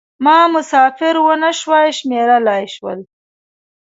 ما مسافر و نه شوای شمېرلای شول.